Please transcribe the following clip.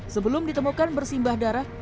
sebelum ditemukan bersimbah darah